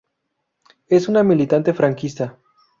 Es una militante franquista.